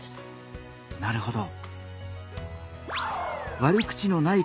なるほど。